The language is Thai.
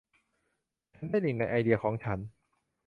ฉันได้หนึ่งในไอเดียของฉัน